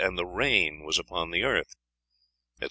And the rain was upon the earth," etc.